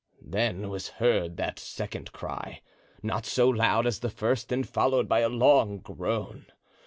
Then was heard that second cry, not so loud as the first and followed by a long groan.